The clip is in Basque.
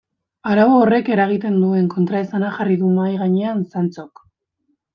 Arau horrek eragiten duen kontraesana jarri du mahai gainean Santxok.